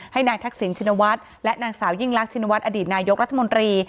ให้นายทักษิณชินวัฒน์และนางสาวยิ่งรักชินวัฒนอดีตนายกรัฐมนตรี